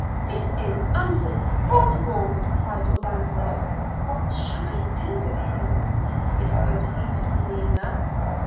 'This is insupportable!' cried Orlando: – 'What shall I do with him?' whispered he to Selina.